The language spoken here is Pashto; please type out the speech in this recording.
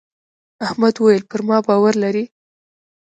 احمد وويل: پر ما باور لرې.